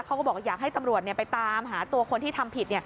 เขาก็บอกอยากให้ตำรวจไปตามหาตัวคนที่ทำผิด